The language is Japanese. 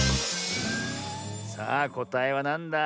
さあこたえはなんだ？